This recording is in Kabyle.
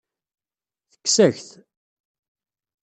Tekkes-ak-t.